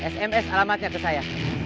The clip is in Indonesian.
sms alamatnya ke saya